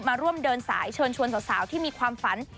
มาร่วมเดินสายเชิญชวนสาวที่มีความฝัน